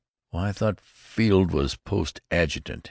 "Why, I thought Field was post adjutant!"